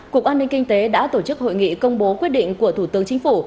cục an ninh kinh tế đã tổ chức hội nghị công bố quyết định của thủ tướng chính phủ